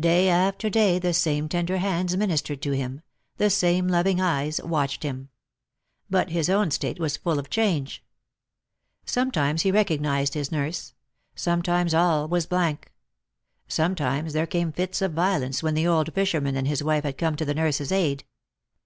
Day after day the same tender hands ministered to him, the same loving eyes watched him. But his own state was full of change. Sometimes he recognized his nurse; sometimes all was blank ; sometimes there came fits of violence, when the old fisherman and his wife had to come to the nurse's aid.